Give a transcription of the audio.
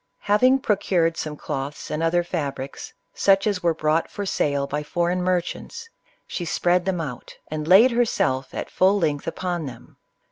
Hav ing procured some cloths and other fabrics, such as were brought for sale by foreign merchants, she spread them out, and laid herself at full length upon them.